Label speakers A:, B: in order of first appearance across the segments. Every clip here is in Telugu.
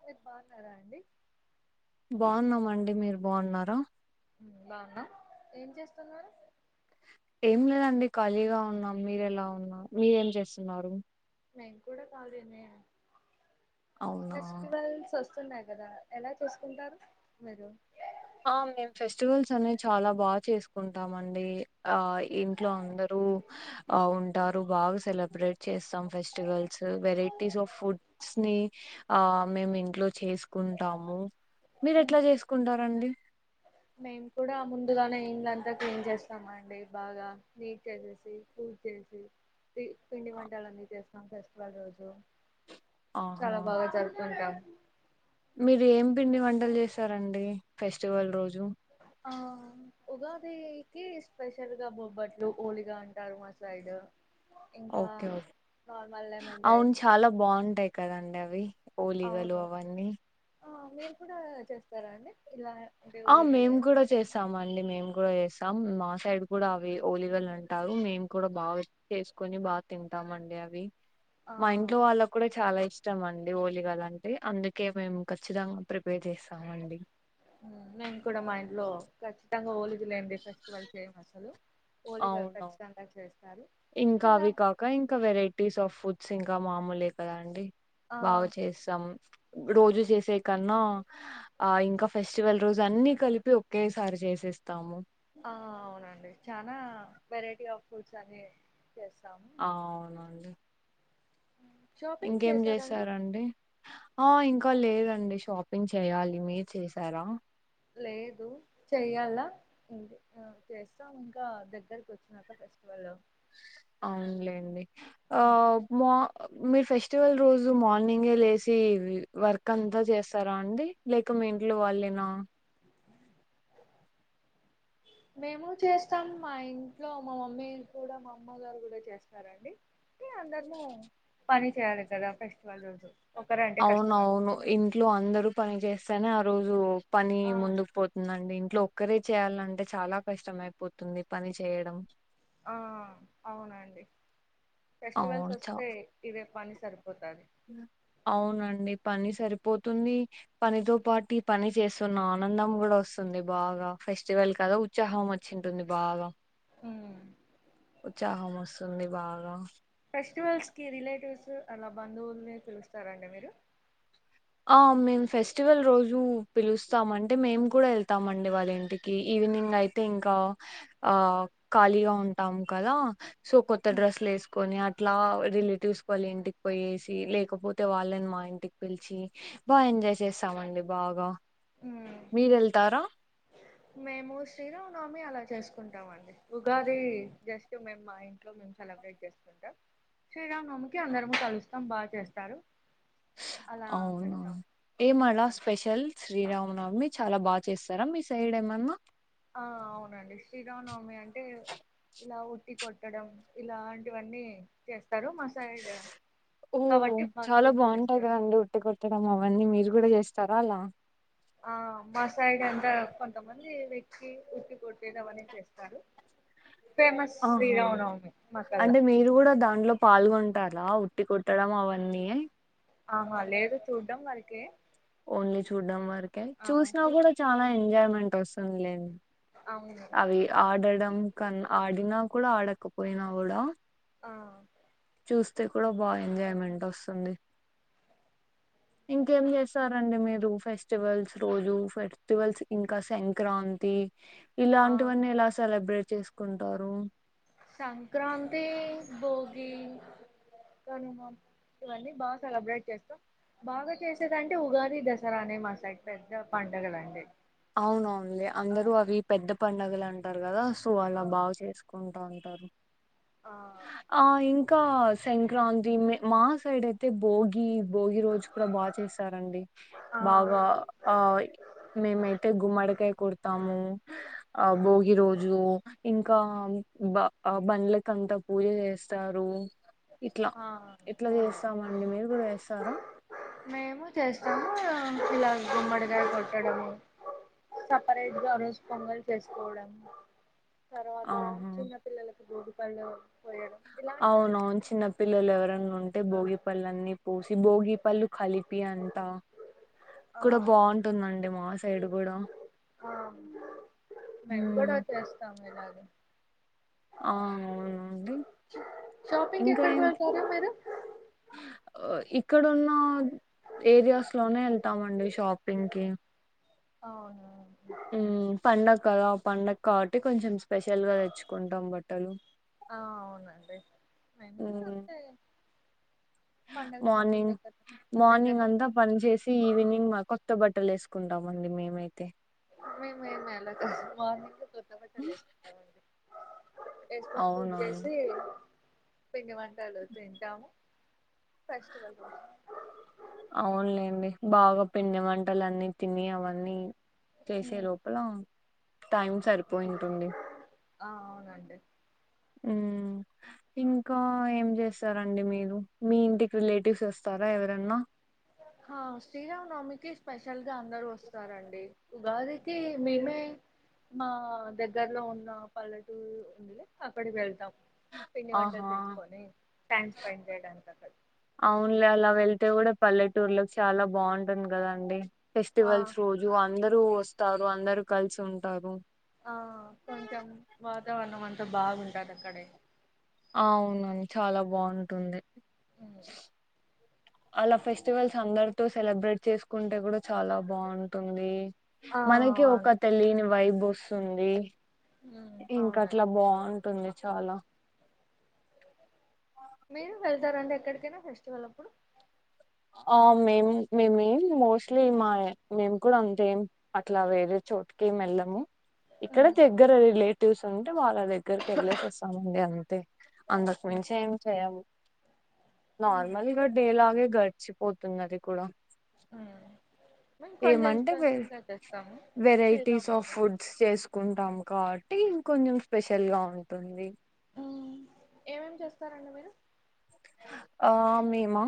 A: మీరు బాగున్నారా అండి.
B: బావున్నామండి మీరు బావున్నారా.
A: ఉమ్ బావున్నా ఏం చేస్తున్నారు.
B: ఏం లేదండి ఖాళీగా ఉన్నాం. మీరేలా ఉన్నా మీరేం చేస్తున్నారు.
A: నేను కూడా ఖాళీనే
B: అవునా
A: ఫెస్టివల్స్ ఒస్త్. వస్తున్నాయి గదా ఎలా చేసుకుంటారు మీరు.
B: ఆహ్ మేము ఫెస్టివల్స్ అన్నీ చాలా బాగా చేసుకుంటామండి ఆహ్ ఇంట్లో అందరూ. ఓహ్ ఉంటారు బాగ్ సెలబ్రేట్ చేస్తాం ఫెస్టివల్స్ వెరైటీస్ ఆఫ్ ఫుడ్ స్ని ఆ మేము ఇంట్లో చేసుకుంటాము మీరు ఎట్ల చేసుకుంటరండి
A: మేము కూడా ముందుగానే ఇల్లంతా క్లీన్ చేస్తామండి బాగా నీట్గా చేసి. చేసే. పి పిండి వంటలన్నీ చేస్తం ఫెస్టివల్ రోజు
B: ఆహా
A: చాల బాగ జరుపుకుంటాం
B: మీరు ఏం పిండి వంటల చేస్తారండీ ఫెస్టివల్ రోజు
A: ఆ ఉగాదీకి స్పెషల్ గ బొబ్బట్లు ఓలిగ అంటరు మా సైడ్ ఇంకా
B: ఒకే
A: నార్మల్ లెమన్
B: అవును
A: రైస్
B: చాల బావుంటాయి కదండి అవి ఓలిగలు
A: అవును
B: అవన్నీ
A: ఆ మీరు కూడ చేస్తారా అండి ఇలా అంటే
B: ఆ
A: ఓలిగలే
B: మేము కూడా చేస్తాం అండి మేము గూడ చేస్ స్తాం మా సైడ్ కూడ అవి ఓలిగాలు అంటారు మేము కూడ బాగ చేసుకొని బాగ తింటాం అండి అవి
A: ఆ
B: మా ఇంట్లో వాళక్కుడ చాల ఇ ఇష్టం అండి ఒలిగాలు అంటే అందుకే మేము ఖచ్చితంగ ప్రిపేర్ చేస్తామండి
A: నేను కూడ మా ఇంట్లో ఖచ్చితంగా ఒల్లిగ లేంది ఫెస్టివల్స్ చేయం అసలు ఒల్లిగ
B: అవును
A: కచ్చితంగ చేస్
B: ఇంకా అవి కాక ఇంకా వెరైటీస్ ఆఫ్ ఫుడ్స్ ఇంకా మామూలే కదా అండి
A: ఆ
B: బాగా చేస్తాం రోజు చేసే కన్నా ఆ ఇంక ఫెస్టివల్ రోజు అన్ని కలిపి ఒకేసారి చేసేస్తాము
A: ఆ అవునండి చానా వెరైటీ ఆఫ్ ఫుడ్స్ అని
B: ఆ అవునండి
A: షాపింగ్
B: ఇంకేం
A: చేసారండి
B: చేస్తారండీ ఆ ఇంక లేదండి షాప్ నెన్ చేయాలి మీర్ చేసారా
A: లేదు చెయ్యాల చేస్తాం ఇంకా దేగ్గరకి వచ్చినాక చేస్
B: అవునులేండి ఆ మా మీ ఫెస్టివల్ రోజు మార్నింగే లేసి వర్క్ అంతా చేస్తారా అండి లేక మీ ఇంట్లో వాళ్ళేనా
A: మేము చేస్తాం మా ఇంట్లో మా మమ్మీ కూడ మా అమ్మ గారు కూడ చేస్తారండీ ఇగ అందరము పని చేయాలి కదా ఫెస్టివల్ రోజు ఒకరంటే కష్టం
B: అవునవును
A: అవుతుంది కదా
B: ఇంట్లో అందరూ పని చేస్తేనే ఆ రోజు పని
A: ఆ
B: ముందుకు పోతుందండి ఇంట్లో ఒక్కరే చేయాలంటే చాలా కష్టం అయిపోతుంది పని చేయడం
A: ఆ అవునండి ఫెస్టివల్స్
B: అవును చ
A: ఓస్తే ఇదే పని సరిపోతాద్
B: అవునండి పని సరిపోతుంది పనితో పాటి పని చేస్తున్నాన్ నందం గుడ ఓస్తుంది బాగ ఫెస్టివల్ కదా ఉచ్చాహాం వచ్చింటుంది బాగ
A: హ్మ్
B: ఉచ్చాహాం ఓస్తుంది బాగ
A: ఫెస్టివల్స్ కి రిలేటివ్స్ అలా బంధువుల్ని పిలుస్తార అండి మీరు
B: ఆ మేం ఫెస్టివల్ రోజు పిలుస్తాం అంటే మేము కూడ ఎల్థం అండి వాళ్ళ ఇంటికి ఈవెనింగ్ అయితే ఇంకా ఆ ఖాళీగా ఉంటాం కదా సో కొత్త డ్రెస్లు ఏసుకొని అట్లా రిలే టివ్స్ వల్ల ఇంటికి పోయేసి లేకపోతే వాళ్ళని మా ఇంటికి పీల్చి బా ఎంజాయ్ చేస్తామండి బాగ
A: ఉమ్
B: మీరు వెళ్తార
A: మేము శ్రీరామనవమి అలా చేసుకుంటాం అండి ఉగాది జస్ట్ మేము మా ఇంట్లో సెలబ్రేట్ చేసుకుంటాం శ్రీరామనవమికీ అందరము కలుస్తాం బాగా చేస్తారు
B: స్
A: అలా
B: అవునా
A: చేస్తాం
B: ఏం అల స్పెషల్ శ్రీరామనవమి చాల బా చేస్తార మీ సైడ్ ఏమన్న
A: ఆ అవునండి శ్రీరామనవమి అంట్ ఇలా ఉట్టి కొట్టడం ఇలాంటివన్నీ చేస్
B: ఓ చాలా
A: బంధువులు
B: బాగుంటయి
A: పిలుస్తారు
B: కదండి ఉట్టి కొట్టడం అవన్నీ మీరు గుడ చేస్తారా అలా
A: ఆ మా సైడ్ అంతా కొంతమంది వెక్కి ఉట్టి కొట్టేది అవన్ని చేస్తారు బ్లాంక్
B: ఆహా అంటే మీర్ గుడా దాంట్లో పాల్గొన్ డాలా ఉట్టి కొట్టడం అవన్నీ
A: అహా లేదు చూడ్డం వరకే
B: ఓన్లీ చూడ్డం వర్కే
A: ఆ
B: చూసినా గుడా చాలా ఎంజాయ్మెంట్ వస్తుంద్ లెం
A: అవును
B: అవి ఆడడం కన్ ఆడినా కూడా ఆడకపోయినా గుడా
A: ఆ
B: చూస్తే కూడా బా ఎంజాయ్మెంటోస్తుంది.
A: బ్లాంక్
B: ఇంకేం చేస్తారండి మీరు ఫెస్టివల్స్ రోజు ఫెస్టివల్స్ ఇంకా సంక్రాంతి
A: ఆ
B: ఇలాంటివన్నీ ఎలా సెలబ్రేట్ చేస్కుంటారు.
A: సంక్రాంతీ, భోగి, కనుమ. ఇవన్నీ బాగా సెలబ్రేట్ చేస్తాం. బాగా చేసేదంటే ఉగాది, దసరానే మా సైడ్ పెద్ద పండగలంటే
B: అవునవున్లే అందరూ అవి పెద్ద పండగలంటార్ కదా సో
A: ఆ
B: అలా బాగ్ చేస్కో ఉంటా ఉంటారు
A: ఆ
B: ఆ ఇం కా సంక్రాంతి మి మా సైడైతే భోగి భోగి రోజు కూడా బా చేసారండి
A: ఆ
B: బాగా ఆ మేమై గుమ్మడ్ కాయ్ కొడ్తాము ఆ భోగి రోజు ఇంకా బ అ బండ్లకంతా పూజ చేస్తారు. ఇట్ల
A: ఆ
B: ఇట్లా
A: అవునా
B: చేస్తామండి మీర్ కూడా చేస్తారా?
A: మేము చేస్తాము ఇలా గుమ్మడికాయ కొట్టడము. సపరేట్గా ఆ రోజ్ పొంగల్ చేస్కోడం. తర్వాత
B: ఆహా
A: చిన్న పిల్లలకి భోగిపళ్ళు
B: అవునవున్ చిన్న పిల్లల్ ఎవరన్నుంటే
A: ఆ
B: భోగి పళ్ళన్ని పోసి భోగి పళ్ళు కలిపి అంత
A: ఆ
B: కూడా బాగుంటుందండి మా సైడ్ గూడా
A: మేం కూడా చేస్తాము ఇలాగ
B: ఆ అవునా అండి ఇం
A: షాపింగ్కి
B: కా
A: ఎక్కడికి
B: ఏం
A: వెళ్తారు మీరు
B: ఇక్కడున్న ఏరియాస్లోనే ఎళ్తామండి షాపింగ్కి
A: అవునా
B: పండగ్ కాబట్టి కొంచం స్పెషల్గా తెచ్చుకుంటాం బట్టలు
A: ఆ అవునండి మేము కూడా
B: ఉమ్
A: అంతే పండగ షాపింగ్
B: మార్నింగ్
A: దగ్గర
B: మార్నింగ్
A: దగ్గరలో
B: అంతా పన్ చేసి ఈవినింగ్ మ కొత్త బట్టల్ ఏస్ కుంటామండి మేమైతే
A: మేమేమీ అలా కాదు మార్నింగ్ కొత్తబట్టల్ ఏస్కుంటామండి. ఏస్కొని
B: అవునవును
A: పూజ్జేసి పిండి వంటలు తింటాము. ఫెస్టివల్ రోజు
B: అవున్లేండి బాగా పిండి వంటలన్ని తిని అవన్నీ
A: రోజు
B: చేసే లోపల టైం సరిపోయి ఉంటుంది.
A: ఆ అవునండి.
B: ఉమ్ ఇంకా ఏం చేస్తారండి మీరు మీ ఇంటికి రిలేటివ్స్ వస్తారా ఎవరన్నా
A: హా శ్రీరామనవమికి స్పెషల్గా అందరు వస్తారండి. ఉగాది కీ మేమే మా దగ్గర్లో ఉన్న పల్లెటూర్ ఉంది లే అక్కడికి వెళ్తాం. పిండి వంటలు
B: ఆహా
A: చేసుకొని టైమ్ స్పెండ్ చేయడానికి అక్కడ
B: తే గూడా పల్లెటూరు లో చాలా బావుంటుంది కదండి
A: ఆ
B: ఫెస్టివల్స్ రోజు అందర్ రు వస్తారు అందరు కల్సుంటారు.
A: ఆ కొంచం వాతావరణం అంతా బాగుందట అక్కడే
B: అవ్ను చాలా బాగుంటుంది.
A: మ్
B: అలా ఫెస్టివల్స్ అందరితో సెలబ్రేట్ చేసుకుంటే గూడా చాలా బాంటుంది.
A: ఆ
B: మనకి ఒక తెలియని వైబొస్తుంది
A: అవును
B: ఇంక
A: అవునండి
B: అట్ల బావుంటుంది చాలా
A: మీరు వెళ్తారండి ఎక్కడికైనా ఫెస్టివల్ అప్పుడు
B: ఆ మేం మేమేం మోస్ట్లీ మా మేము కూడా అంతేం అట్లా వేరే చోటుకి మెల్లము ఇక్కడ
A: ఉమ్
B: దగ్గర రిలేటివ్స్ ఉంటే వాళ్ళ దగ్గరికెళ్ళేసి వస్తామండి అంతే అంతగు మించి ఏం చేయము
A: ఉమ్
B: నార్మల్గా డే లాగే గడిచిపోతుంది అది కూడా
A: హ్మ్
B: ఏమంటే వె వెరైటీస్ ఆఫ్
A: శ్రీరామనవమి
B: ఫుడ్స్ చేసుకుంటాం కా ట్టి ఇంగొంచెం స్పెషల్ గా ఉంటుంది.
A: హ్మ్ ఏమేమి చేస్తారండి మీరు.
B: ఆ మేమా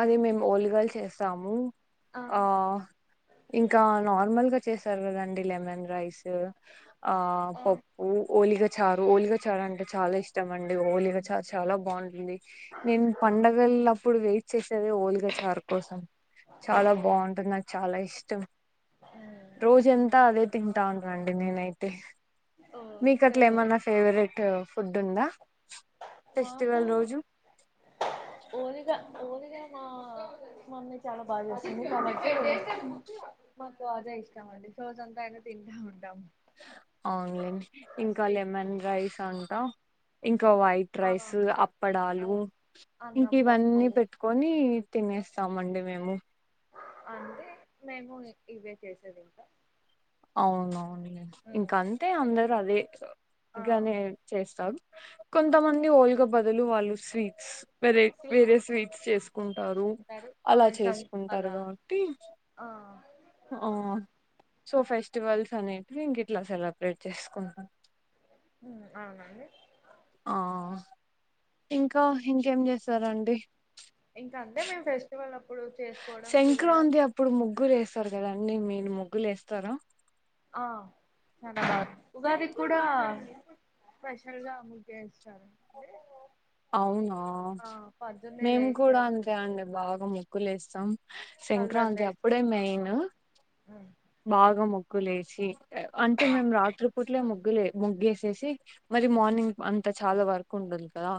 B: అది మేము ఓలిగలు చేసాము. ఆ ఇంకా నార్మల్గా చేసారు కదండి లెమన్ రైసు ఆ
A: ఓ
B: పప్పు ఓలిగ చా ఓలిగా చారంటే చాలా ఇష్టమండి ఓలిగా చా చాలా బాంటుంది. నేను పండగలప్పుడు వెయిట్ చేస్ సేది ఓలిగా చారు కోసం
A: ఓ
B: చాలా బావుంటది నాకు చాలా ఇష్టం. రోజంతా అదే తింటాంటానండి నేనైతే మీక అట్లా
A: మీరు
B: ఏమన్నా ఫేవరెట్ ఫుడ్ ఉందా
A: మాకు
B: ఫెస్టివల్ రోజు
A: ఓలిగా ఓలిగా మా మమ్మీ చాలా బాగా జేస్తుంది కాబట్టి మాకు అదే ఇష్టం అండి సోజంతా అ యినా తింటాం ఉంటాం.
B: అవున్లేండి ఇంకా
A: స్వీట్
B: లెమన్ రైస్ అంటా ఇం ఇంకా వైట్
A: ఆ
B: రైసు
A: ఆ
B: అప్పడాలు
A: అన్నం
B: ఇంకి
A: పప్పు
B: ఇవన్నీ పెట్టుకోని తినేస్తామండి మేము.
A: అంటే మేము ఇవే చేసేదింకా
B: అవునవును ఇంక అంతే అందరు అదే
A: ఆ
B: గానే చేస్తారు కొంతమంది ఓలుగ బదులు వాళ్ళు స్వీట్స్ వెరే వేరే
A: స్వీట్
B: స్వీట్స్ చేసుకుంటారు.
A: అంటారు
B: అలా
A: పాయసం
B: చేసుకుంటారు
A: అలా
B: గావట్టీ
A: ఆ
B: ఆ సో ఫెస్టివల్స్ అనేటివి ఇంక ఇట్లా సెలబ్రేట్ చేసుకుంటాం.
A: హ్మ్ అవునండి.
B: ఆ ఇంకా ఇంకేం జేస్తారండి.
A: ఇంకా అంతే మేము ఫెస్టివల్ అప్పుడు చేసుకోవడం తినడం
B: సెంక్రాంతి అప్పుడు ముగ్గులు ఏస్తారు కదండి మీన్ ముగ్గులు ఏస్తారా
A: ఆ ఉగాది క్కూడా స్పెషల్గా ముగ్గెస్తారా అండి
B: అవునా మేము
A: లేస్తే
B: కూడా అంతే అండి బాగా ముక్కలేస్తాం.
A: కలర్లు
B: సెంక్రాంతి
A: వేసి
B: అప్పుడే మెయిన్
A: ఉమ్,
B: బాగా ము కులేసి అంటే మేం రాత్రి పూట్లే ముగ్గులే ముగ్గేసేసి మరి మార్నింగ్ అంత చాలా వర్క్ ఉంటుంది కదా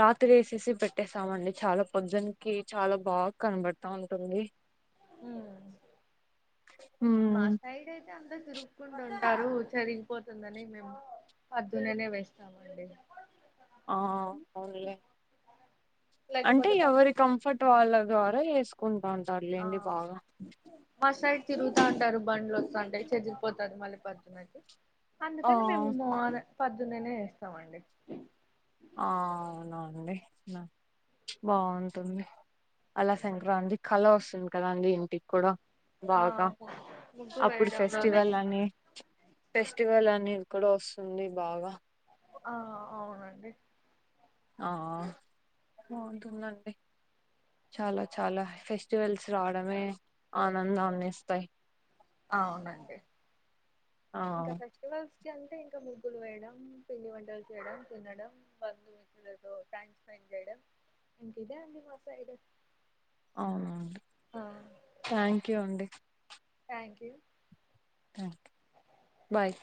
B: రాత్రె ఏసేసి పెట్టే స్తామండి చాలా పొద్జనకి చాలా బాగా కనబడతా ఉంటుంది.
A: హ్మ్ మా
B: ఉమ్
A: సైడ్ అయితే అంతా తిరుక్కుండ టారు చరిగిపోతుందని మేము పద్దున్నేనే వేస్తామండి.
B: ఆ అవున్లే అంటే
A: లేకపోతే పొద్-
B: ఎవరి కంఫర్ట్ వాళ్ళ ద్వారా
A: ఆ
B: ఎసుకుంటాంటర్లేండి బాగా
A: మా సైడ్ తిరుగుతా ఉంటారు బండ్లు వస్తాంటాయ్ చదిరిపోతారు మళ్ళీ పొద్దునకి అందుకని
B: ఆ
A: మేము మూన పొద్దున్ననే వేస్తామండి
B: ఆ అవునా అండి బాగుంటుంది అలా సంక్రాంతి కళ వస్తుంది కదా అండి ఇంటికి కూడా
A: ఆ
B: బాగా
A: ముగ్గు
B: అప్పుడు
A: వేయడంలోనే
B: ఫెస్టివల్ అని ఫెస్టివల్ అని క్కడ వస్తుంది బాగా
A: ఆ అవునండి
B: బాగుంటుంది అండి చాలా చాలా ఫెస్టివల్స్ రావడమే ఆనందాన్ని ఇస్తాయి
A: అవునండి
B: ఆ
A: ఇంకా ఫెస్టివల్స్ అంతే అంటే ఇంకా ముగ్గులు వేయడం పిండి వంటలు చేయడం తినడం బంధుమిత్రులతో టైమ్ స్పెండ్ చేడమ్ ఇంక ఇదే అండి మా సైడ్
B: అవున థాంక్యూ అండి
A: థ్యాంక్ యూ
B: మ్ బాయ్